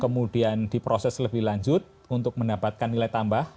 kemudian diproses lebih lanjut untuk mendapatkan nilai tambah